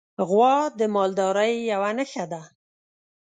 غوا د مالدارۍ یوه نښه ده.